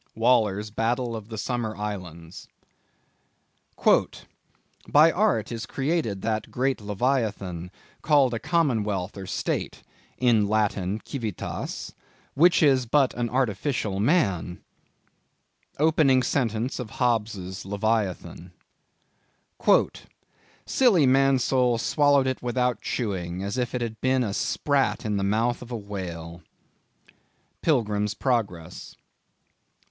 —Waller's Battle of the Summer Islands. "By art is created that great Leviathan, called a Commonwealth or State—(in Latin, Civitas) which is but an artificial man." —Opening sentence of Hobbes's Leviathan. "Silly Mansoul swallowed it without chewing, as if it had been a sprat in the mouth of a whale." —Pilgrim's Progress.